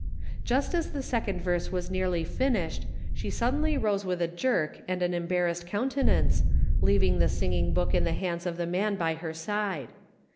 Just as the second verse was nearly finished, she suddenly rose with a jerk and an embar rassed countenance, leaving the singing book in the hands of the man by her side.